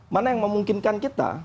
mana yang memungkinkan kita